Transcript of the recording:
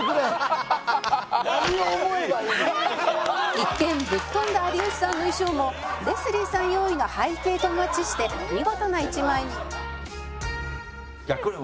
「一見ぶっ飛んだ有吉さんの衣装もレスリーさん用意の背景とマッチして見事な一枚に」